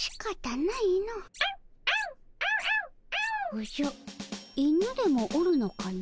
おじゃ犬でもおるのかの？